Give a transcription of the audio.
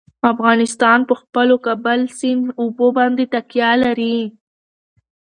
افغانستان په خپلو کابل سیند اوبو باندې تکیه لري.